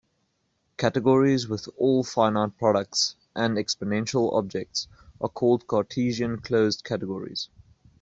Categories with all finite products and exponential objects are called cartesian closed categories.